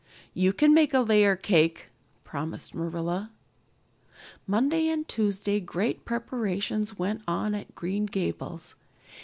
"You can make a layer cake," promised Marilla. Monday and Tuesday great preparations went on at Green Gables.